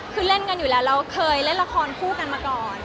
คือเล่นกันอยู่แล้วเราเคยเล่นละครคู่กันมาก่อน